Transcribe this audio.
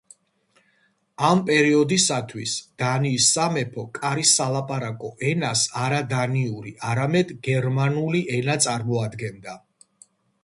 ამ პერიოდისათვის დანიის სამეფო კარის სალაპარაკო ენას არა დანიური, არამედ გერმანული ენა წარმოადგენდა.